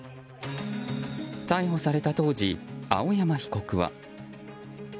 逮捕された当時、青山被告は。